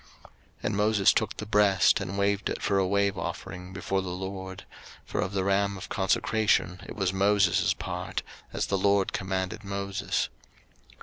03:008:029 And Moses took the breast, and waved it for a wave offering before the LORD: for of the ram of consecration it was Moses' part; as the LORD commanded Moses.